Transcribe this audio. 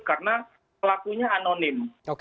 karena pelakunya anonim